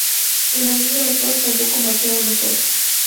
En la liga las cosas tampoco marcharon mejor.